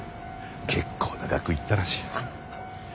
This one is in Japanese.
結構な額いったらしいっす。